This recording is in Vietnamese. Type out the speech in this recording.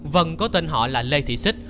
vâng có tên họ là lê thị xích